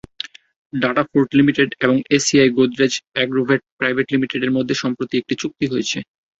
Datafort limited এবং ACI Godrej Agrovet private লিমিটেডের মধ্যে সম্প্রতি একটি চুক্তি হয়েছে।